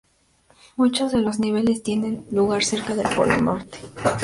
Muchos de los niveles tienen lugar cerca del Polo Norte.